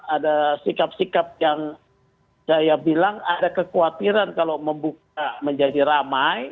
ada sikap sikap yang saya bilang ada kekhawatiran kalau membuka menjadi ramai